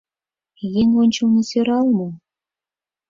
Еҥ ончылно сӧрал мо?..